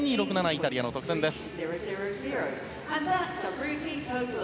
イタリアの得点です。